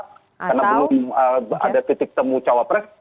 karena belum ada titik temu cawapres